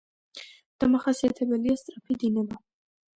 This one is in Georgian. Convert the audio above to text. დამახასიათებელია სწრაფი დინება.